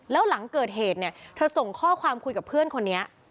แล้วหลังเกิดเหตุเนี่ยเธอส่งข้อความคุยกับเพื่อนคนนี้